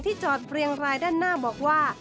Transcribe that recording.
จอดเรียงรายด้านหน้าบอกว่า